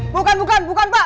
bukan bukan bukan pak